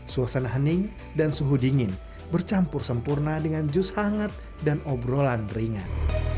suasana hening dan suhu dingin bercampur sempurna dengan jus hangat dan obrolan ringan